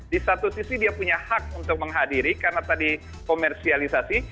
di satu sisi dia punya hak untuk menghadiri karena tadi komersialisasi